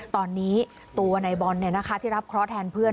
ตอนนี้ตัวในบอลที่รับเคราะห์แทนเพื่อน